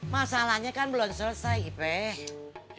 masalahnya kan belum selesai gitu